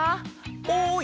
おい！